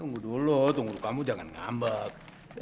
kalau kamu gak mau aku mau papa